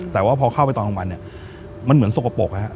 แต่ว่าพอเข้าไปตอนกลางวันเนี่ยมันเหมือนสกปรกนะครับ